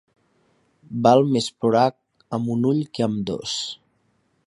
Val més plorar amb un ull que amb dos.